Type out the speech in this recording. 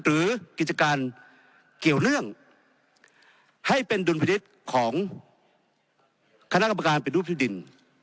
หรือกิจการเกี่ยวเนื่องให้เป็นดุลผลิตของคณะกรรมการเป็นรูปที่ดิน